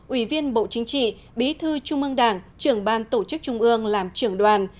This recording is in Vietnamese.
ủy viên bộ chính trị bí thư trung ương đảng trưởng ban tổ chức trung ương làm trưởng đoàn